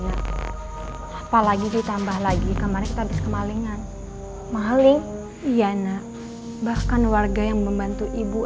apalagi ditambah lagi kemarin habis kemalingan maling iyana bahkan warga yang membantu ibu